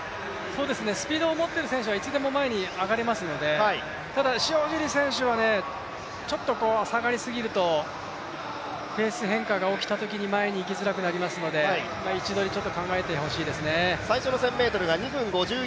スピードを持っている選手はいつでも前に上がれますのでただ塩尻選手はちょっと下がりすぎるとペース変化が起きたときに前に行きづらくなりますので、位置取り、考えて欲しいですね。